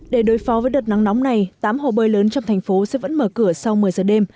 để đối phó với đợt nắng nóng này tám hồ bơi lớn trong thành phố sẽ vẫn mở cửa sau một mươi giờ đêm